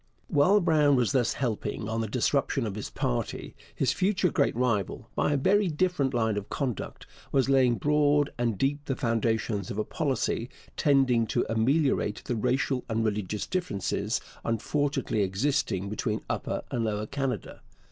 While Brown was thus helping on the disruption of his party, his future great rival, by a very different line of conduct, was laying broad and deep the foundations of a policy tending to ameliorate the racial and religious differences unfortunately existing between Upper and Lower Canada.